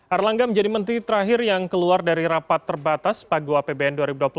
erlangga menjadi menteri terakhir yang keluar dari rapat terbatas pago apbn dua ribu dua puluh tiga